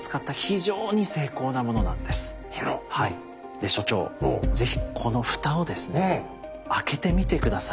で所長是非この蓋をですね開けてみて下さい。